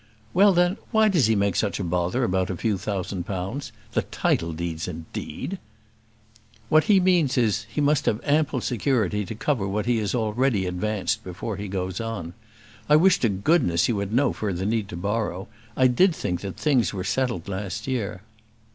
"Well, then, why does he make such a bother about a few thousand pounds? The title deeds, indeed!" "What he means is, that he must have ample security to cover what he has already advanced before he goes on. I wish to goodness you had no further need to borrow. I did think that things were settled last year."